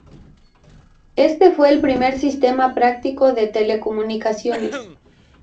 Este fue el primer sistema práctico de telecomunicaciones.